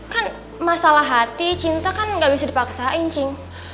kan masalah hati cinta kan gak bisa dipaksain cing